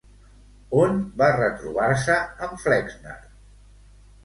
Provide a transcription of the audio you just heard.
On va retrobar-se amb Flexner?